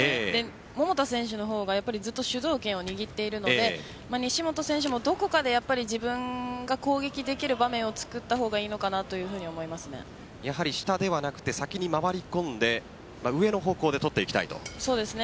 桃田選手のほうがずっと主導権を握っているので西本選手もどこかで自分が攻撃できる場面を作った方がいいのかなと下ではなく先に回り込んでそうですね。